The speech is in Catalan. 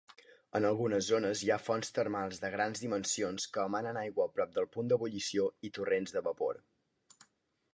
En algunes zones hi ha fonts termals de grans dimensions que emanen aigua prop del punt d'ebullició i torrents de vapor.